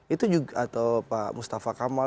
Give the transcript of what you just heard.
itu juga atau pak mustafa kamal